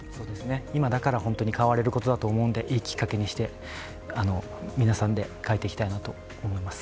今だから本当に変われることなので、いいきっかけにして皆さんで変えていきたいなと思います。